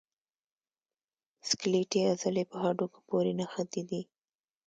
سکلیټي عضلې په هډوکو پورې نښتي دي.